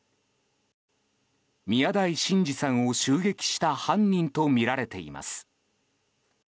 宮台真司さんを襲撃した犯人とみられています。